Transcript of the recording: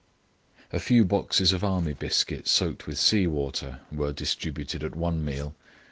A few boxes of army biscuits soaked with sea water were distributed at one meal.